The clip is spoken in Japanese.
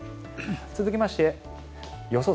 続きまして予想